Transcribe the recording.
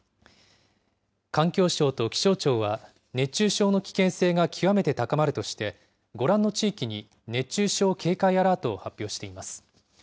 環境省と気象庁は、熱中症の危険性が極めて高まるとして、ご覧の地域に熱中症警戒アラートを発表しています。